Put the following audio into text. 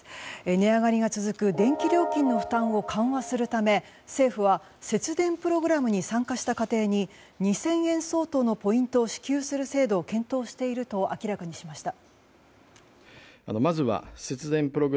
値上がりが続く電気料金の負担を緩和するため政府は節電プログラムに参加した家庭に２０００円相当のポイントを支給する制度を検討していると明らかにしました。